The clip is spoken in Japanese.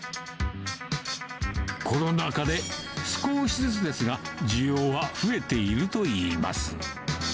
コロナ禍で少しずつですが、需要は増えているといいます。